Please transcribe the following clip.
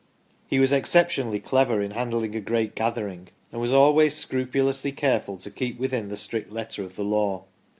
He was exception ally clever in handling a great gathering, and was always scrupulously careful to keep within the strict letter of the law.